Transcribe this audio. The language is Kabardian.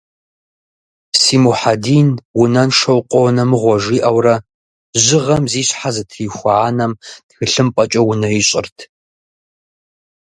«Си Мухьэдин унэншэу къонэ мыгъуэ», жиӏэурэ жьыгъэм зи щхьэ зэтрихуа анэм тхылъымпӏэкӏэ унэ ищӏырт.